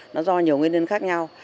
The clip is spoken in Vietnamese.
nó do nhiều nguyên nhân khác nhau